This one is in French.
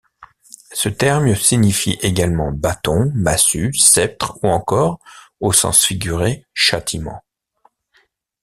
Ce terme signifie également bâton, massue, sceptre, ou encore, au sens figuré, châtiment.